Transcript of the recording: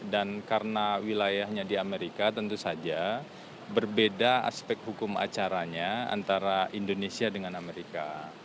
dan karena wilayahnya di amerika tentu saja berbeda aspek hukum acaranya antara indonesia dengan amerika